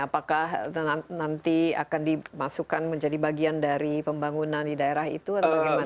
apakah nanti akan dimasukkan menjadi bagian dari pembangunan di daerah itu atau bagaimana